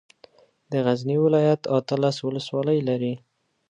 د غزني ولايت اتلس ولسوالۍ لري.